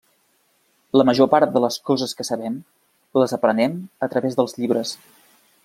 La major part de les coses que sabem, les aprenem a través dels llibres.